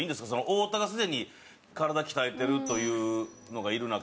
太田がすでに体鍛えてるというのがいる中。